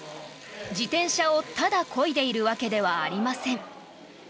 自転車をただこいでいるわけではありません。